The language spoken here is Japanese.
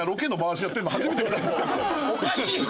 おかしい。